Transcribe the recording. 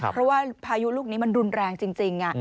เพราะว่าพายุลูกนี้มันรุนแรงจริง